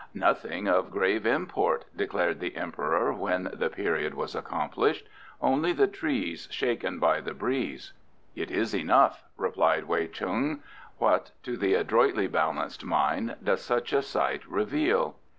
"Nothing of grave import," declared the emperor when the period was accomplished; "only the trees shaken by the breeze." "It is enough," replied Wei Chung. "What, to the adroitly balanced mind, does such a sight reveal?"